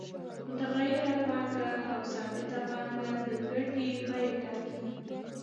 متغیره پانګه او ثابته پانګه د ګټې بیه ټاکي